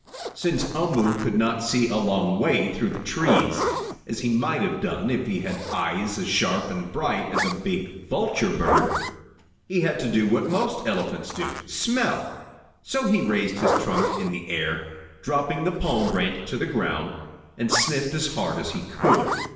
Since Umboo could not see a long way through the trees, as he might have done if he had eyes as sharp and bright as a big vulture bird, he had to do what most elephants do smell. So he raised his trunk in the air, dropping the palm branch to the ground, and sniffed as hard as he could.